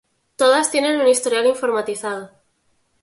Todas tienen un historial informatizado.